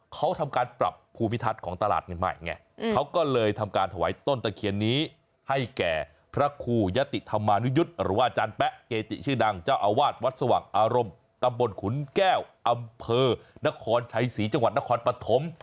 เขาทำการปรับภูมิทัศน์ของตลาดใหม่ไงเขาก็เลยทำการถวายต้นตะเคียนนี้ให้แก่พระครูยะติธรรมานุยุทธ์หรือว่าอาจารย์แป๊ะเกจิชื่อดังเจ้าอาวาสวัดสว่างอารมณ์ตำบลขุนแก้วอำเภอนครชัยศรีจังหวัดนครปฐม